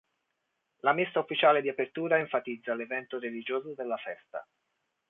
La messa ufficiale di apertura enfatizza l'evento religioso della festa.